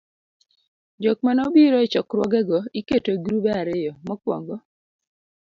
jokmanobiro e chokruogego iketo e grube ariyo: mokuongo